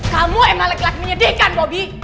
kamu emang laki laki menyedihkan bobi